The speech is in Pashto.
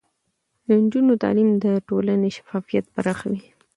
د نجونو تعليم د ټولنې شفافيت پراخوي.